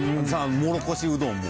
もろこしうどんも。